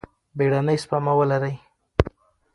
بیړنۍ سپما ولرئ.